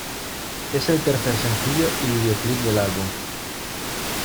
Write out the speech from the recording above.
Es el tercer sencillo y videoclip del álbum.